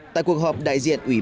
tại cuộc họp đại diện ubnd